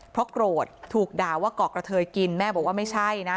เพราะโกรธถูกด่าว่าก่อกระเทยกินแม่บอกว่าไม่ใช่นะ